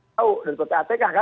tahu dari pt atk kan